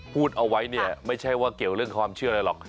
พูดเอาไว้เนี่ยไม่ใช่ว่าเกี่ยวเรื่องความเชื่ออะไรหรอก